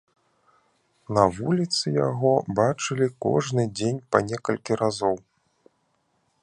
На вуліцы яго бачылі кожны дзень па некалькі разоў.